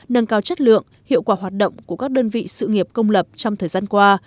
nâng cao chất lượng hiệu quả hoạt động của các đơn vị sự nghiệp công lập trong thời gian qua